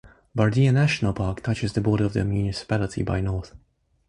Bardiya National Park touches the border of the municipality by north.